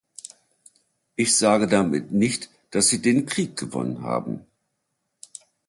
Ich sage damit nicht, dass sie den Krieg gewonnen haben.